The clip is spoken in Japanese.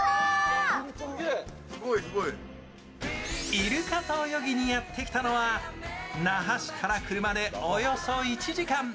イルカと泳ぎにやってきたのは那覇市から車でおよそ１時間。